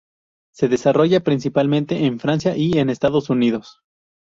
Se desarrolla principalmente en Francia y en Estados Unidos.